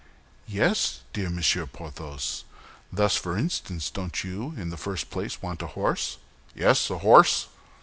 "Yes, dear Monsieur Porthos. Thus, for instance, don't you in the first place want a horse?" "Yes, a horse."